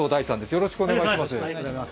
よろしくお願いします。